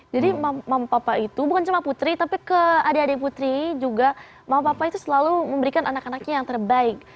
jadi mama papa itu bukan cuma putri tapi ke adik adik putri juga mama papa itu selalu memberikan anak anaknya yang terbaik